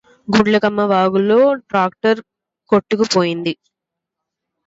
గుండ్లకమ్మ వాగులో ట్రాక్టర్ కొట్టుకుపోయింది